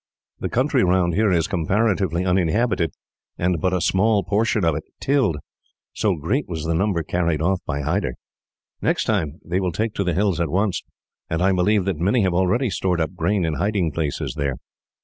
The country round here is comparatively uninhabited, and but a small portion of it tilled, so great was the number carried off by Hyder. Next time they will take to the hills at once, and I believe that many have already stored up grain in hiding places there.